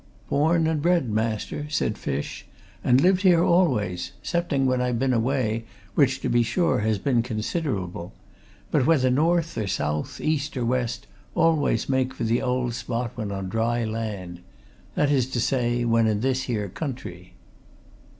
"Born and bred, master," said Fish. "And lived here always 'cepting when I been away, which, to be sure, has been considerable. But whether north or south, east or west, always make for the old spot when on dry land. That is to say when in this here country."